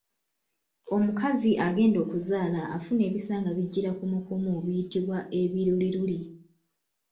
Omukazi agenda okuzaala afuna ebisa nga bijjira kumukumu biyitibwa ebiruliruli.